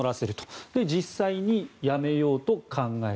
そして実際にやめようと考え